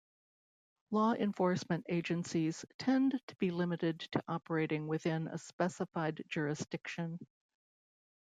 Law enforcement agencies tend to be limited to operating within a specified jurisdiction.